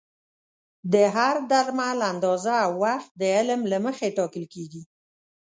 د هر درمل اندازه او وخت د علم له مخې ټاکل کېږي.